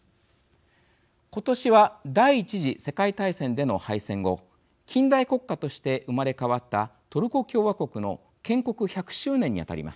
今年は第１次世界大戦での敗戦後近代国家として生まれ変わったトルコ共和国の建国１００周年にあたります。